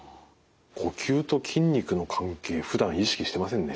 呼吸と筋肉の関係ふだん意識してませんね。